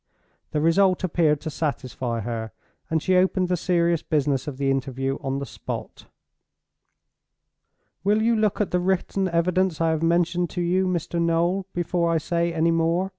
The result appeared to satisfy her, and she opened the serious business of the interview on the spot. "Will you look at the written evidence I have mentioned to you, Mr. Noel, before I say any more?"